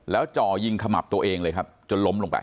แล้วจ่อยิงขมับตัวเองเลยครับจนล้มลงไป